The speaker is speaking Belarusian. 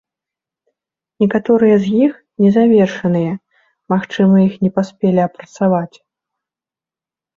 Некаторыя з іх незавершаныя, магчыма іх не паспелі апрацаваць.